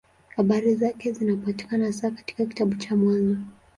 Habari zake zinapatikana hasa katika kitabu cha Mwanzo.